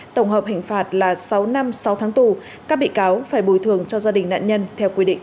tổng hợp hình phạt là sáu năm sáu tháng tù các bị cáo phải bồi thường cho gia đình nạn nhân theo quy định